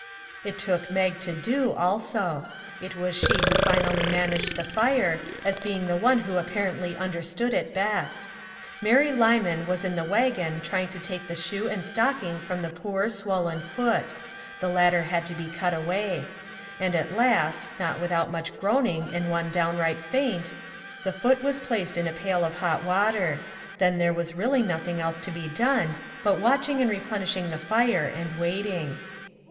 It took Mag to do, also. It was she who finally managed the fire, as being the one who apparently understood it best. Mary Lyman was in the wagon trying to take the shoe and stocking from the poor, swollen foot ; the latter had to be cut away; and at last, not without much groaning and one downright faint, the foot was placed in a pail of hot water; then there was really nothing else to be done but 242 IF WE ONLY HADN'T' watching and replenishing the fire, and wait ing.